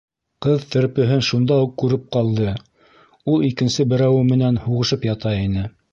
Ҡыҙ терпеһен шунда уҡ күреп ҡалды —ул икенсе берәүе менән һуғышып ята ине.